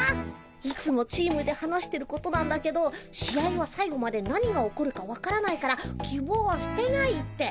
いつもチームで話してることなんだけど「試合は最後まで何が起こるか分からないからきぼうはすてない」って。